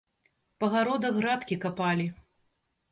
Па гародах градкі капалі.